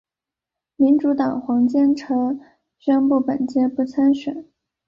民主党黄坚成宣布本届不参选。